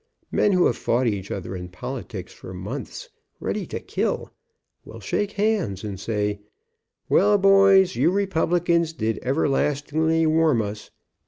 Men who have fought each other in politics for months, ready to kill, will shake hands and say, ''Well, boys, you Republicans did everlastingly warm us, but